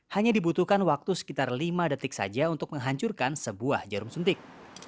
hanya dibutuhkan waktu sekitar lima detik saja untuk menghancurkan sebuah jarum suntik